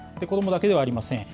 子どもだけではありません。